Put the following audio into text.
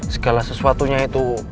segala sesuatunya itu